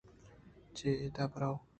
چہ اد ءَ برو